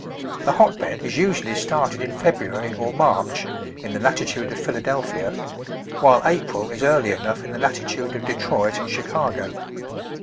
The hotbed is usually started in February or March in the latitude of Philadelphia, while April is early enough in the latitude of Detroit and Chicago.